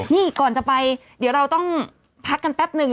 นี่ก่อนจะไปเดี๋ยวเราต้องพักกันแป๊บนึง